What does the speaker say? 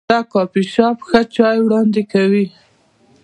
دا کافي شاپ ښه چای وړاندې کوي.